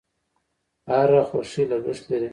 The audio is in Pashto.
هر خوښي لګښت لري.